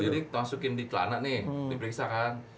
jadi masukin di telana nih di periksa kan